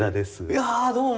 いやどうも！